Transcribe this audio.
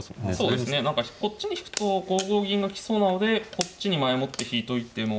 そうですね何かこっちに引くと５五銀が来そうなのでこっちに前もって引いといても。